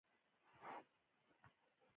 حقداره د غږېدو لري.